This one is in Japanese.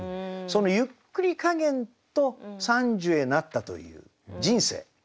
そのゆっくり加減と傘寿へなったという人生。